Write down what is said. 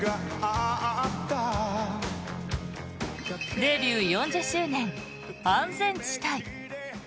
デビュー４０周年安全地帯。